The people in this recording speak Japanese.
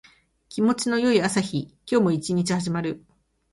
気持ちの良い朝日。今日も一日始まる。